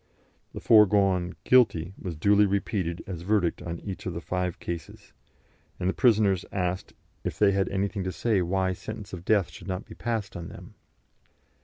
The foregone "Guilty" was duly repeated as verdict on each of the five cases, and the prisoners asked if they had anything to say why sentence of death should not be passed on them.